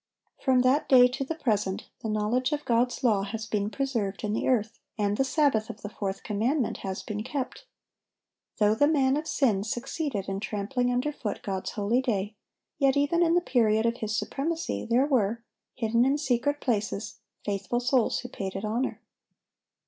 From that day to the present, the knowledge of God's law has been preserved in the earth, and the Sabbath of the fourth commandment has been kept. Though the "man of sin" succeeded in trampling under foot God's holy day, yet even in the period of his supremacy there were, hidden in secret places, faithful souls who paid it honor.